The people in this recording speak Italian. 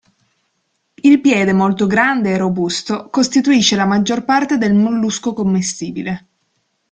Il piede, molto grande e robusto, costituisce la maggior parte del mollusco commestibile.